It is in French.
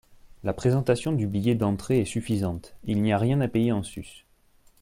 La présentation du billet d’entrée est suffisante, il n’y a rien à payer en sus.